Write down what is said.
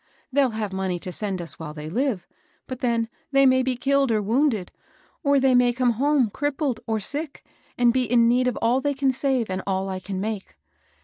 They'll have money to send us while they live ; but then they may be killed or wounded, or they may come home crippled or sick and be in need of all they can save and all I can make.